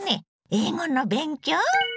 英語の勉強？